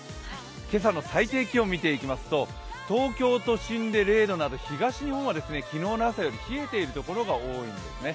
今朝の最低気温、見ていきますと、東京都心で０度など東日本は昨日より冷えているところが多いんですね。